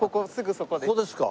ここですか。